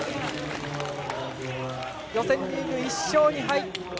予選リーグ１勝２敗。